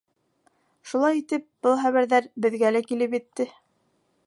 Шулай итеп, был хәбәрҙәр беҙгә лә килеп етте.